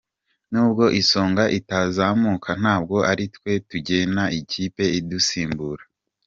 N’ubwo Isonga itazamuka ntabwo aritwe tugena ikipe idusimbura.